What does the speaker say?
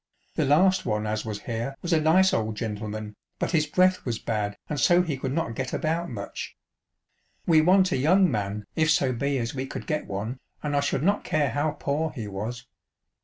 The last one as was here was a nice old gentleman, but his breath was bad, and so he could not get about much. We want a young 78 Field Paths and G7'een Lanes. ch. vi. man, if so be as we could get one, and I should not care how poor he was."